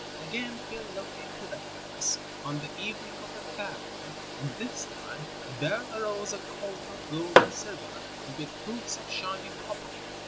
Again he looked into the furnace, on the evening of the third day, and this time there arose a colt of gold and silver and with hoofs of shining copper.